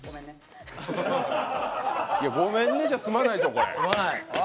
ごめんねじゃ済まないでしょ。